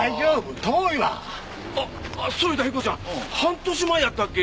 あっそういうたら彦ちゃん半年前やったっけ？